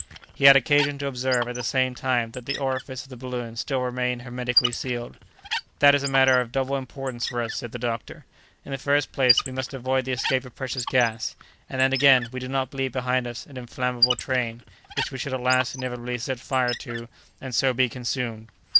He had occasion to observe, at the same time, that the orifice of the balloon still remained hermetically sealed. "That is a matter of double importance for us," said the doctor; "in the first place, we avoid the escape of precious gas, and then, again, we do not leave behind us an inflammable train, which we should at last inevitably set fire to, and so be consumed."